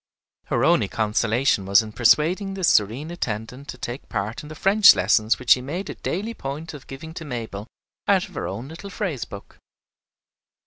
Her only consolation was in persuading this serene attendant to take a part in the French lessons which she made a daily point of giving to Mabel out of her own little phrase book.